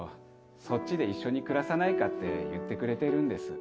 そっちで一緒に暮らさないかって言ってくれてるんです。